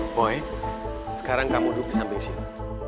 boy sekarang kamu duduk di samping sini